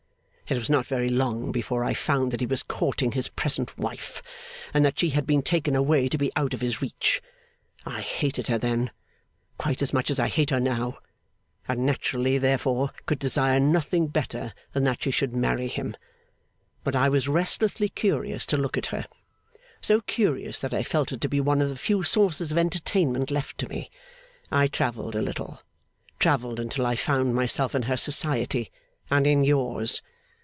It was not very long before I found that he was courting his present wife, and that she had been taken away to be out of his reach. I hated her then, quite as much as I hate her now; and naturally, therefore, could desire nothing better than that she should marry him. But I was restlessly curious to look at her so curious that I felt it to be one of the few sources of entertainment left to me. I travelled a little: travelled until I found myself in her society, and in yours.